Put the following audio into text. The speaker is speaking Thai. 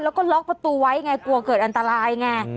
แล้วก็ล็อกประตูไว้ไงกลัวเกิดอันตรายไง